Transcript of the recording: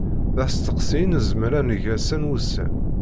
D asteqsi i nezmer ad neg ass-a n wussan.